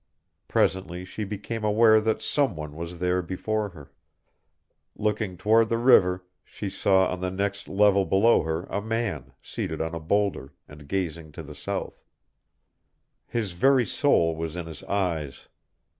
Presently she became aware that someone was there before her. Looking toward the river she saw on the next level below her a man, seated on a bowlder, and gazing to the south. His very soul was in his eyes.